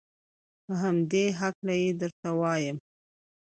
په همدې هلکه یې درته وایم.